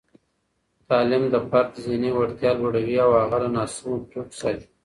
تعلیم د فرد ذهني وړتیا لوړوي او هغه له ناسمو پرېکړو ساتي.